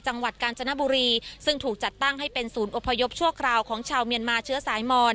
จังหวัดกาญจนบุรีซึ่งถูกจัดตั้งให้เป็นศูนย์อพยพชั่วคราวของชาวเมียนมาเชื้อสายมอน